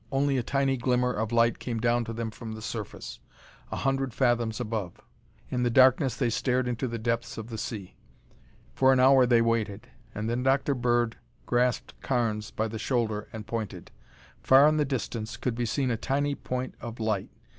Only a tiny glimmer of light came down to them from the surface, a hundred fathoms above. In the darkness they stared into the depths of the sea. For an hour they waited and then Dr. Bird grasped Carnes by the shoulder and pointed. Far in the distance could be seen a tiny point of light.